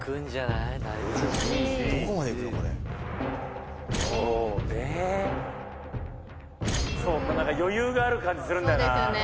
なんか余裕がある感じするんだよな」